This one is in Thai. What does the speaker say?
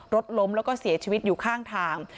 รถล้มแล้วก็เสียชีวิตอยู่ข้างทาง